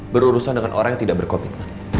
berurusan dengan orang yang tidak berkomitmen